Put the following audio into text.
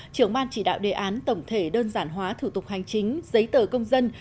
trưởng ban chỉ đạo đề án tổng thể đơn giản hóa thủ tục hành chính giấy tờ công dân